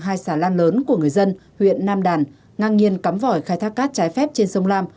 hai xà lan lớn của người dân huyện nam đàn ngang nhiên cắm vỏi khai thác cát trái phép trên sông lam